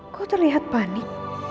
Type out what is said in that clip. kok terlihat panik